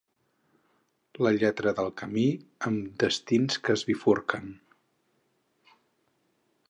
La lletra del camí amb destins que es bifurquen.